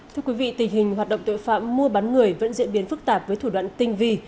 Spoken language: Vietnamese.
thưa quý vị tình hình hoạt động tội phạm mua bán người vẫn diễn biến phức tạp với thủ đoạn tinh vi